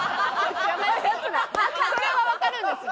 それはわかるんですね。